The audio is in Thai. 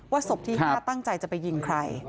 ศพที่๕ตั้งใจจะไปยิงใคร